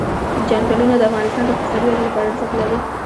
چنګلونه د افغانستان د اقتصادي ودې لپاره ارزښت لري.